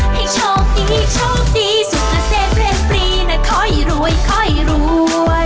ให้โชคดีโชคดีสุขเศษเป็นปรีน่ะคอยรวยคอยรวย